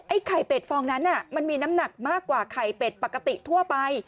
ไข่เป็ดฟองนั้นมันมีน้ำหนักมากกว่าไข่เป็ดปกติทั่วไป